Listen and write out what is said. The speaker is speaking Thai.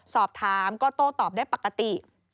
สอบถามก็โต้ตอบได้ปกติ